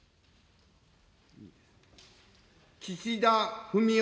岸田文雄